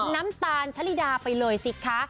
น้ำตาลชะลิดาไปเลยสิคะ